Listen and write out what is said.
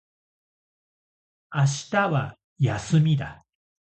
明日は休みだ。